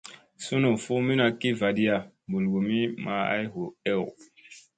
Sunu fuumina ki vaɗiya mɓulgumi maa ay hu ew.